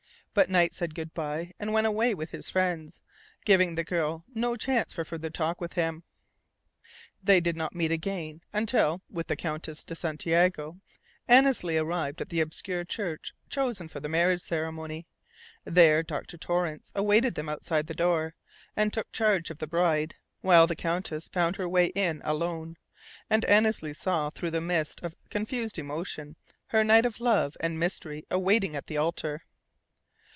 But Knight said good bye, and went away with his friends, giving the girl no chance for further talk with him. They did not meet again until with the Countess de Santiago Annesley arrived at the obscure church chosen for the marriage ceremony. There Dr. Torrance awaited them outside the door, and took charge of the bride, while the Countess found her way in alone; and Annesley saw through the mist of confused emotion her Knight of love and mystery waiting at the altar.